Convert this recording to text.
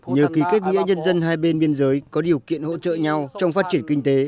nhờ ký kết nghĩa nhân dân hai bên biên giới có điều kiện hỗ trợ nhau trong phát triển kinh tế